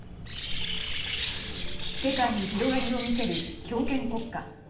世界に広がりを見せる強権国家。